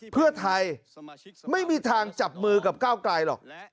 เพื่อไทยไม่มีทางจับมือกับก้าวไกลหรอก